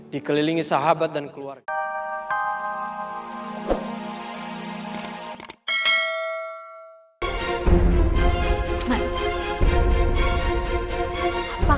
dikelilingi sahabat dan keluarga